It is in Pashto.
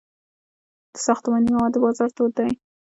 د ساختماني موادو بازار تود دی